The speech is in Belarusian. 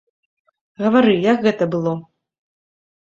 Гавары, як гэта было?